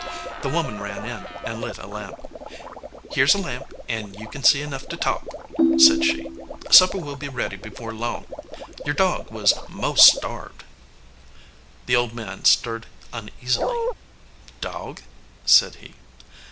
The woman ran in and lit a lamp. "Here s a lamp, and you kin see enough to talk," said she. "Supper will be ready before long. Your dog was most starved." The old man stirred uneasily. "Dog?" said he.